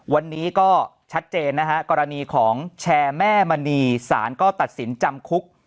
วันนี้ก็ชัดเจนนะฮะกรณีของแชร์แม่มณีสารก็ตัดสินจำคุก